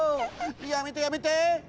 やめてやめて！